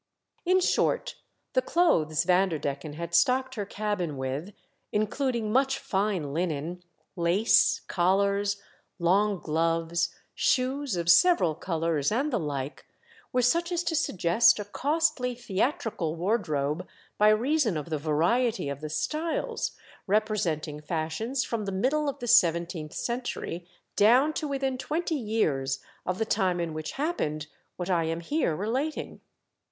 In short, the clothes Vanderdecken had stocked her cabin with, including much fine linen, lace, collars, long gloves, shoes of several colours, and the like, were such as to suggest a costly theatrical wardrobe by reason of the variety of the styles, representing fashions from the middle of the seventeenth century down to within twenty years of the time in which happened what I am here rela ting.